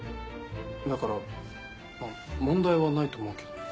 だから問題はないと思うけど。